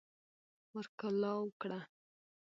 ور کولاو کړه